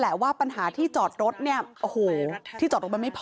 ว่าปัญหาที่จอดรถเนี่ยโอ้โหที่จอดรถมันไม่พอ